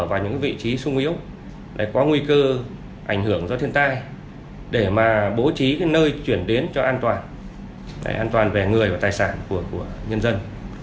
vấn đề thứ hai là giả soát toàn bộ những hộ mà hiện nay đang ở và những vị trí sung yếu có nguy cơ ảnh hưởng do thiên tai để mà bố trí nơi chuyển đến cho an toàn an toàn về người và tài sản của nhân dân